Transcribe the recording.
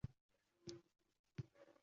Qonib-qonib men ham icholsam, deyman.